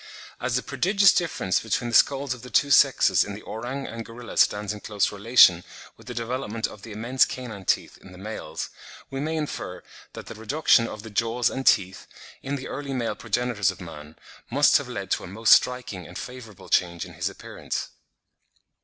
As the prodigious difference between the skulls of the two sexes in the orang and gorilla stands in close relation with the development of the immense canine teeth in the males, we may infer that the reduction of the jaws and teeth in the early male progenitors of man must have led to a most striking and favourable change in his appearance.